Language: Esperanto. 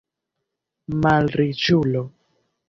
malriĉulo